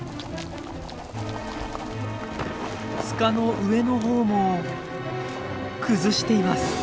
塚の上のほうも崩しています。